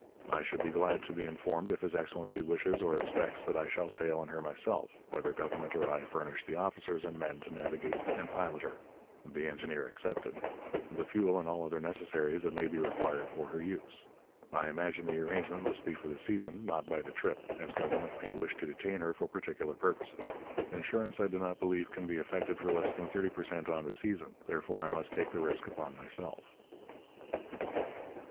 I should be glad to be informed if His Excellency wishes or expects that I shall sail in her myself, whether Government or I furnish the Officers and men to Navigate and Pilot her, the Engineer excepted, the fuel and all other necessarys that may be required for her use. I imagine the arrangement must be for the Season, not by the Trip, as Government may wish to detain her for particular purposes. Ensurance I do not believe can be effected for less than 30 p. cent for the Season, therefore I must take the risque upon myself.